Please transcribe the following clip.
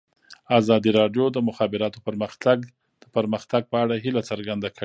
ازادي راډیو د د مخابراتو پرمختګ د پرمختګ په اړه هیله څرګنده کړې.